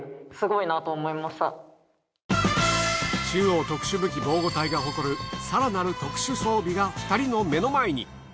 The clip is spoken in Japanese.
中央特殊武器防護隊が誇る更なる特殊装備が２人の目の前に。